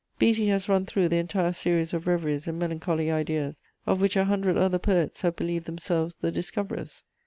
Beattie has run through the entire series of reveries and melancholy ideas of which a hundred other poets have believed themselves the discoverers.